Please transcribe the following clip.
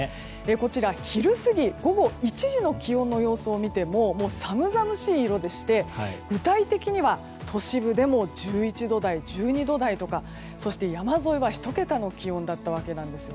こちら、昼過ぎ午後１時の気温の様子を見ても寒々しい色でして具体的には都市部でも１１度台、１２度台とかそして、山沿いは１桁の気温だったわけなんです。